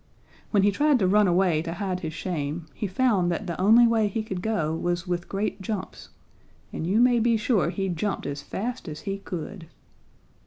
When he tried to run away to hide his shame, he found that the only way he could go was with great jumps, and you may be sure he jumped as fast as he could.